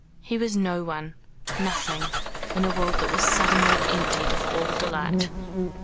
He was no one, nothing, in a world that was suddenly emptied of all delight.